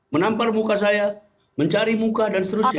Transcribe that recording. menampar muka saya mencari muka dan seterusnya